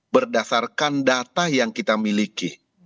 berdasarkan data yang kita miliki